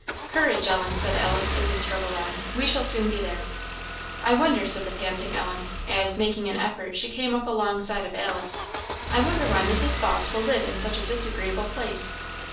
"Courage, Ellen!" said Alice, as they struggled on; "we shall soon be there." "I wonder," said the panting Ellen, as, making an effort, she came up alongside of Alice "I wonder why Mrs. Vawse will live in such a disagreeable place."